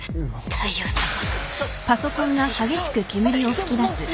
大陽さま！